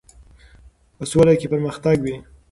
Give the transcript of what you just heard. په سوله کې پرمختګ وي.